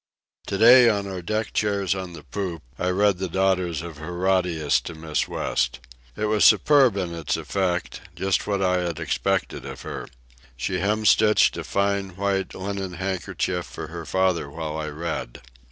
To day, in our deck chairs on the poop, I read The Daughters of Herodias to Miss West. It was superb in its effect—just what I had expected of her. She hemstitched a fine white linen handkerchief for her father while I read.